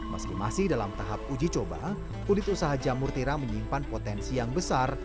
meski masih dalam tahap uji coba unit usaha jamur tiram menyimpan potensi yang besar